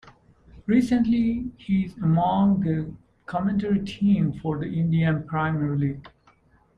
Recently, he is among the commentary team for the Indian Premier League.